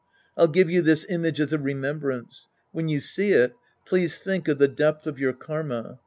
I'll give you this image as a remembrance. When you see it, please think of the depth of your karma.